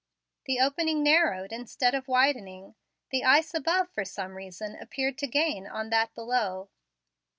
The opening narrowed instead of widening. The ice above, for some reason, appeared to gain on that below.